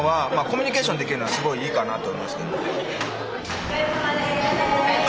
お疲れさまです！